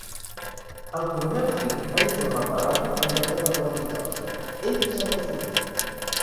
El Coronel Flint va informar per ràdio en lloc de per walkie-talkie: "He divisat el fortí".